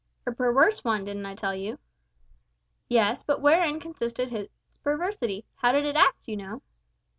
"A perwerse one, didn't I tell you?" "Yes, but wherein consisted its perversity? How did it act, you know?"